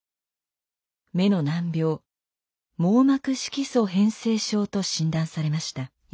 目の難病網膜色素変性症と診断されました。